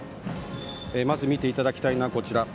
まず見ていただきたいのはこちら。